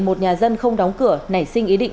một nhà dân không đóng cửa nảy sinh ý định